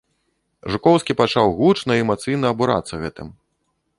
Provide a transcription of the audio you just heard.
Жукоўскі пачаў гучна і эмацыйна абурацца гэтым.